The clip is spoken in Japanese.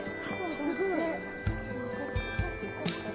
すごいね。